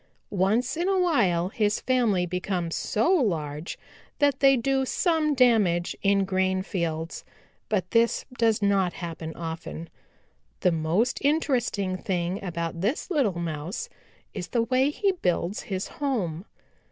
Once in a while his family becomes so large that they do some damage in grain fields. But this does not happen often. The most interesting thing about this little Mouse is the way he builds his home.